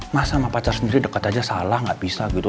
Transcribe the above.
masa sama paca sendiri deket aja needs salah gak bisa gitu